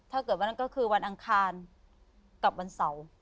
ถ้าเกิดว่านั้นก็คือวันอังคารกับวันเสาร์